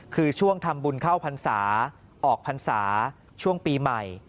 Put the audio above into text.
คือช่วงทำบุญเข้าพรรษาออกพรรษาช่วงปีใหม่